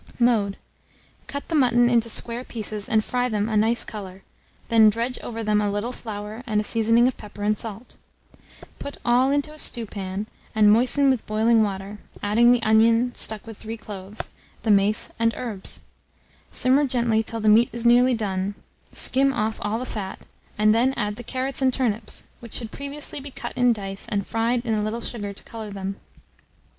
Mode. Cut the mutton into square pieces, and fry them a nice colour; then dredge over them a little flour and a seasoning of pepper and salt. Put all into a stewpan, and moisten with boiling water, adding the onion, stuck with 3 cloves, the mace, and herbs. Simmer gently till the meat is nearly done, skim off all the fat, and then add the carrots and turnips, which should previously be cut in dice and fried in a little sugar to colour them.